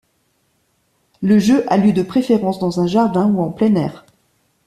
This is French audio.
Le jeu a lieu de préférence dans un jardin ou en plein air.